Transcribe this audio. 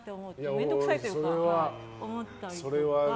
面倒くさいというか思ったりとか。